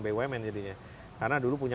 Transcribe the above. bumn jadinya karena dulu punya